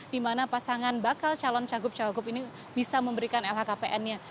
di mana pasangan bakal calon cagup cagup ini bisa memberikan lhkpn nya